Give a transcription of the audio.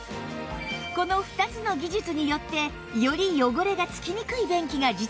この２つの技術によってより汚れが付きにくい便器が実現